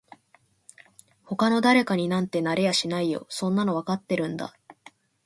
他の誰かになんてなれやしないよそんなのわかってるんだ